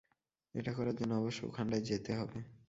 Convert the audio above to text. এটা করার জন্য অবশ্য ওখানটায় যেতে হবে।